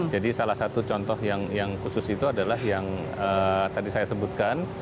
jadi salah satu contoh yang khusus itu adalah yang tadi saya sebutkan